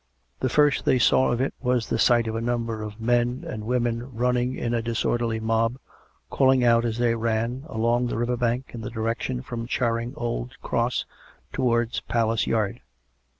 The first they saw of it was the sight of a number of men and women running in a disorderly mob, calling out as they ran, along the river bank in the direction from Charing Old Cross towards Palace Yard.